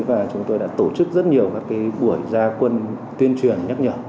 và chúng tôi đã tổ chức rất nhiều các buổi gia quân tuyên truyền nhắc nhở